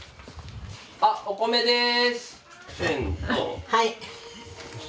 あっお米です！